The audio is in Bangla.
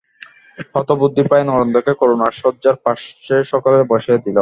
হতবুদ্ধিপ্রায় নরেন্দ্রকে করুণার শয্যার পার্শ্বে সকলে বসাইয়া দিল।